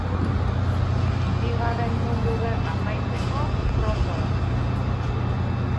Bigarren Mundu Gerra amaitzeko pronto da.